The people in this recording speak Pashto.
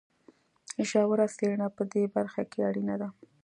ژوره څېړنه په دې برخه کې اړینه ده.